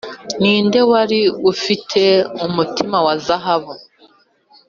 ninde wari ufite umutima wa zahabu.